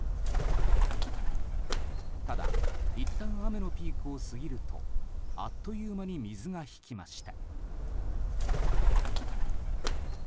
ただ、いったん雨のピークを過ぎるとあっという間に水が引きました。